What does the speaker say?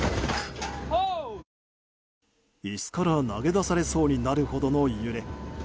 椅子から投げ出されそうになるほどの揺れ。